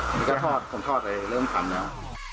ส่วนที่ผมพลอดเลยเริ่มธรรมเร็ว